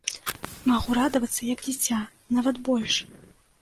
Магу радавацца як дзіця, нават больш!